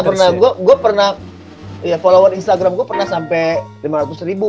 pernah gue pernah ya follower instagram gue pernah sampai lima ratus ribu